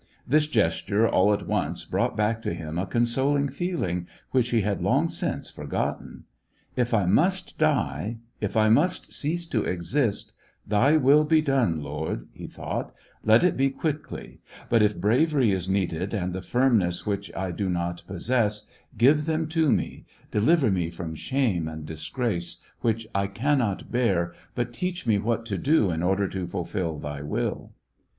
This gesture, all at once, brought back to him a consoling feeling, which he had long since forgotten. " If I must die, if I must cease to exist, * thy will be done, Lord,' " he thought ;" let it be quickly ; but if bravery is needed, and the firm ness which I do not possess, give them to me ; deliver me from shame and disgrace, which I can not bear, but teach me what to do in order to fulfil thy will."